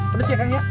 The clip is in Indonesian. berusia kang ya